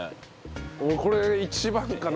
俺これ一番かな。